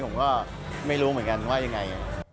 ผมก็ไม่รู้เหมือนกันว่ายังไง